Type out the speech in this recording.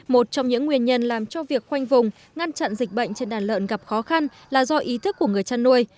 một trong những nguyên nhân làm cho việc khoanh vùng ngăn chặn dịch bệnh trên đàn lợn gặp khó khăn là do ý thức của người chăn nuôi